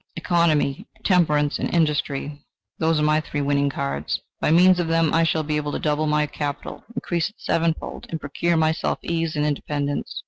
Economy, temperance and industry: those are my three winning cards; by means of them I shall be able to double my capital increase it sevenfold, and procure for myself ease and independence."